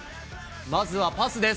まずはパスです。